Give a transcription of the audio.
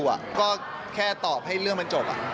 หรือก็แค่ตัวให้เรื่องมันจบ